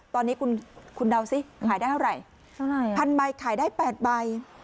ตอนนี้คุณคุณเดาสิขายได้เท่าไหร่เท่าไหร่พันใบขายได้๘ใบ